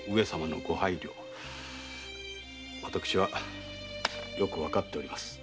私はよくわかっております。